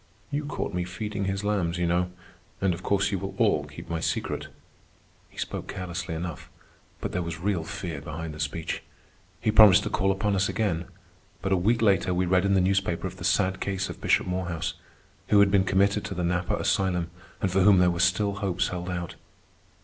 "You caught me feeding his lambs, you know. And of course you will all keep my secret." He spoke carelessly enough, but there was real fear behind the speech. He promised to call upon us again. But a week later we read in the newspaper of the sad case of Bishop Morehouse, who had been committed to the Napa Asylum and for whom there were still hopes held out.